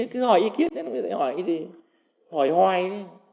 cứ hỏi ý kiến thì nó sẽ hỏi cái gì hỏi hoài